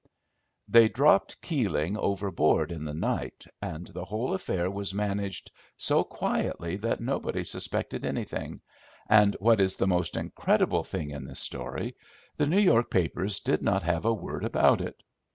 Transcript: They dropped Keeling overboard in the night, and the whole affair was managed so quietly that nobody suspected anything, and, what is the most incredible thing in this story, the New York papers did not have a word about it.